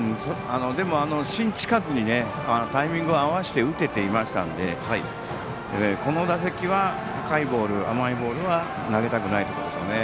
でも、芯近くにタイミングを合わせて打てていましたのでこの打席は高いボール甘いボールは投げたくないところですね。